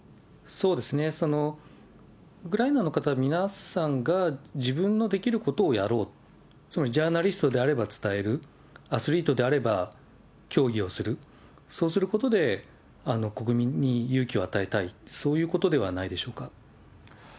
そうですね、ウクライナの方、皆さんが、自分のできることをやろう、つまりジャーナリストであれば伝える、アスリートであれば、競技をする、そうすることで、国民に勇気を与えたい、そういうことではないでしょうか。